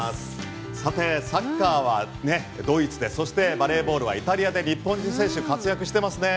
さてサッカーはドイツでそしてバレーボールはイタリアで日本人選手活躍してますね。